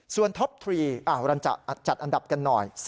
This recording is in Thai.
ส่วนท็อป๓จัดอันดับกันหน่อย